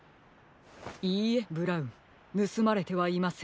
いいえブラウンぬすまれてはいませんよ。